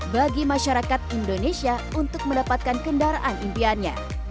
bagi masyarakat indonesia untuk mendapatkan kendaraan impiannya